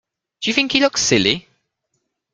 Do you think he looks silly?